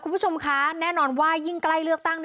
คุณผู้ชมคะแน่นอนว่ายิ่งใกล้เลือกตั้ง